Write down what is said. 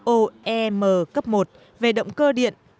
oem cấp một về động cơ điện